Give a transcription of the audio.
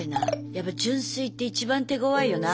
やっぱ純粋って一番手ごわいよな。